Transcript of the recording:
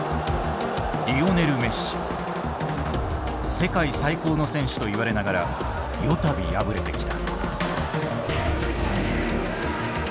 世界最高の選手と言われながら四度敗れてきた。